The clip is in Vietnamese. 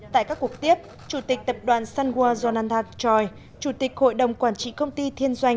tại các cuộc tiếp chủ tịch tập đoàn sunwood jonath choi chủ tịch hội đồng quản trị công ty thiên doanh